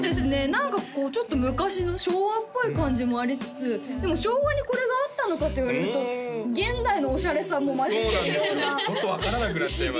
何かちょっと昔の昭和っぽい感じもありつつでも昭和にこれがあったのかと言われると現代のオシャレさも混じってるようなそうなんですよちょっと分からなくなっちゃいますよね